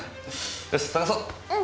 よし捜そう！